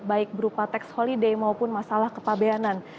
baik berupa tax holiday maupun masalah kepabeanan